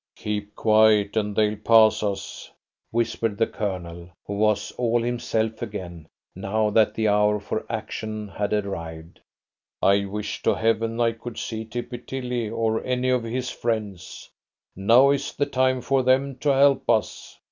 "Keep quiet, and they'll pass us," whispered the Colonel, who was all himself again now that the hour for action had arrived. "I wish to Heaven I could see Tippy Tilly or any of his friends. Now is the time for them to help us."